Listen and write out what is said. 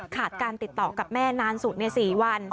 ขาดการติดต่อกับแม่นานสุดใน๔วัน